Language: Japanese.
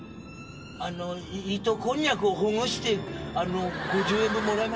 あの糸こんにゃくほぐして５０円分もらえません？